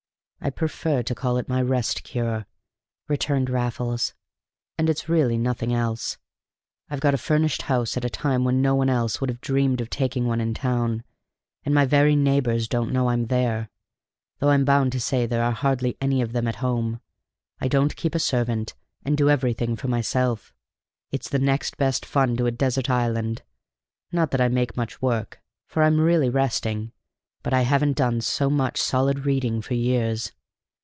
"I prefer to call it my Rest Cure," returned Raffles, "and it's really nothing else. I've got a furnished house at a time when no one else would have dreamed of taking one in town; and my very neighbors don't know I'm there, though I'm bound to say there are hardly any of them at home. I don't keep a servant, and do everything for myself. It's the next best fun to a desert island. Not that I make much work, for I'm really resting, but I haven't done so much solid reading for years.